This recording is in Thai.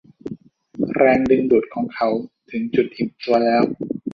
แรงดึงดูดของเขาถึงจุดอิ่มตัวแล้ว